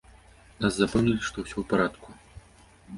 Нас запэўнілі, што ўсё ў парадку!